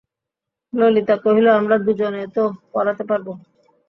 ললিতা কহিল, আমরা দুজনে তো পড়াতে পারব।